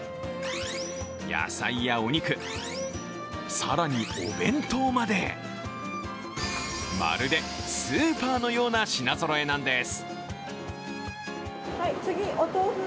野菜やお肉、更にお弁当までまるでスーパーのような品ぞろえなんです。